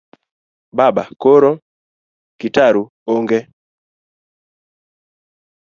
Baba:koro? Kitaru: ong'e